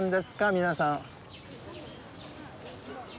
皆さん。